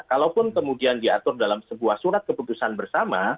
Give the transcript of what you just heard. kalaupun kemudian diatur dalam sebuah surat keputusan bersama